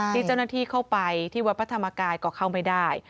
ที่เจ้าหน้าที่เข้าไปที่วัดพระธรรมกายก็เข้าไม่ได้